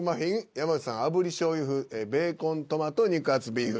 山内さん「炙り醤油風ベーコントマト肉厚ビーフ」。